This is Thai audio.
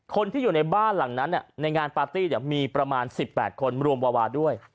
คนที่อยู่ในบ้านหลังนั้นในงานปาร์ตี้มีประมาณ๑๘คนรวมวาวาด้วย